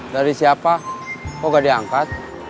dari siapa kok gak diangkat